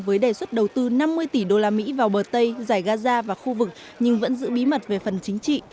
với đề xuất đầu tư năm mươi tỷ usd vào bờ tây giải gaza và khu vực nhưng vẫn giữ bí mật về phần chính trị